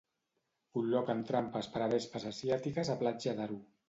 Col·loquen trampes per a vespes asiàtiques a Platja d'Aro.